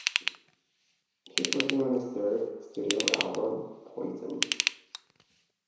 He is working on his third studio album, "Poison".